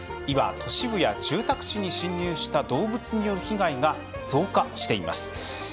今、都市部や住宅地に侵入した動物による被害が増加しています。